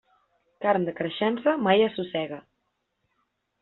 Carn de creixença mai assossega.